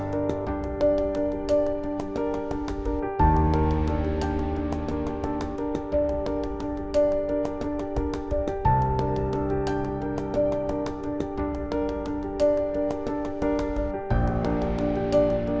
gua tandai duk al